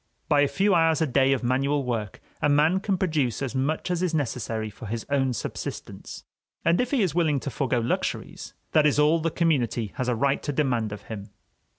By a few hours a day of manual work, a man can produce as much as is necessary for his own subsistence; and if he is willing to forgo luxuries, that is all that the community has a right to demand of him.